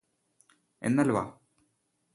എന്നാല് വാ